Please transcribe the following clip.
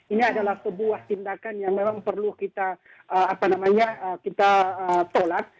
ini adalah sebuah tindakan yang memang perlu kita tolak